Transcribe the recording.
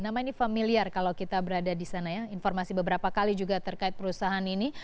nama ini familiar kalau kita berada di sana ya informasi beberapa kali juga terkait perusahaan ini